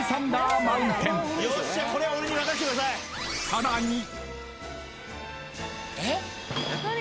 ［さらに］